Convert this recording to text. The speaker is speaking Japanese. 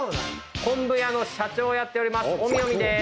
昆布屋の社長をやっております